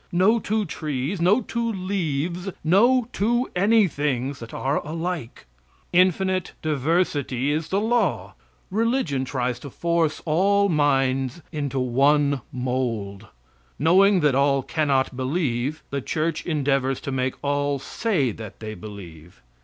No two trees, no two leaves, no two anythings that are alike? Infinite diversity is the law. Religion tries to force all minds into one mold. Knowing that all cannot believe, the church endeavors to make all say that they believe.